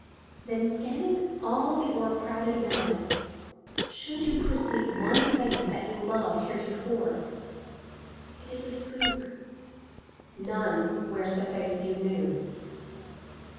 Then, scanning all the o'ercrowded mass, should you Perceive one face that you loved heretofore, It is a spook. None wears the face you knew.